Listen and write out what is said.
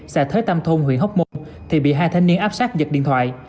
xã thới tam thôn huyện hóc môn thì bị hai thanh niên áp sát giật điện thoại